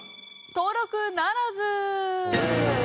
登録ならず。